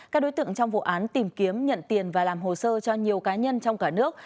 các đối tượng trong vụ án tìm kiếm nhận tiền và làm hồ sơ cho nhiều cá nhân trong cả nước